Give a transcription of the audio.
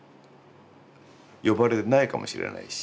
呼ばれないかもしれないし。